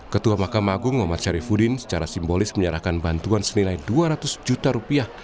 ketua mahkamah agung muhammad syarifudin secara simbolis menyerahkan bantuan senilai dua ratus juta rupiah